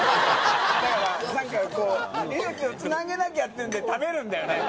だから、なんかこう、命をつなげなきゃっていうんで、食べるんだよね。